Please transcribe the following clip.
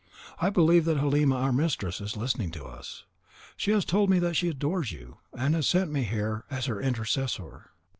I believe that Halima, our mistress, is listening to us: she has told me that she adores you, and has sent me here as her intercessor.